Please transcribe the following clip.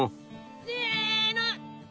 せの。